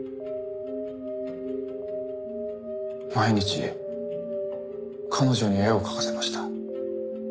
毎日彼女に絵を描かせました。